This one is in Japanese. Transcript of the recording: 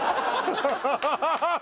ハハハハ！